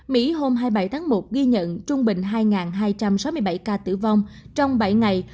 mỹ hôm hai mươi bảy tháng một ghi nhận trung bình hai hai trăm sáu mươi bảy ca tử vong trong bảy ngày